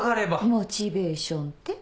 モチベーションって？